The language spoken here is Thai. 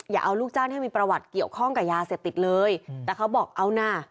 อย่าเอาลูกจ้างให้มีประวัติเกี่ยวข้องกับยาเสพติดเลยแต่เขาบอกเอานะ